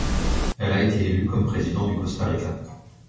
Elle a été élue comme président du Costa Rica.